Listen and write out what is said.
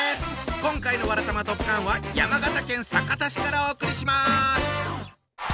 今回の「わらたまドッカン」は山形県酒田市からお送りします。